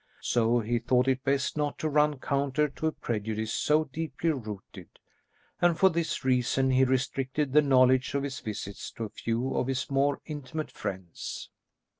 So he thought it best not to run counter to a prejudice so deeply rooted, and for this reason he restricted the knowledge of his visits to a few of his more intimate friends.